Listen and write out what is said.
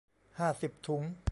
ห้าสิบถุง